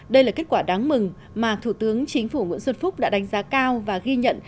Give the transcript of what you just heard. đây là kết quả đáng mừng mà thủ tướng chính phủ nguyễn xuân phúc đã đánh giá cao và ghi nhận